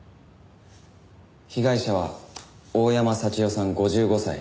被害者は大山幸代さん５５歳。